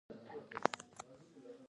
د افغانستان غله دانه زنده باد.